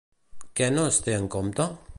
Què no es té en compte?